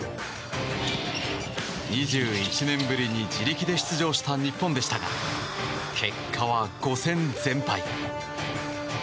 ２１年ぶりに自力で出場した日本でしたが結果は５戦全敗。